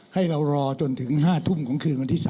ให้เรารอจนถึง๕ทุ่มของคืนวันที่๓